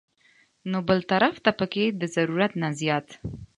نو بل طرف ته پکښې د ضرورت نه زيات